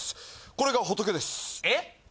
これがホトケですえっ？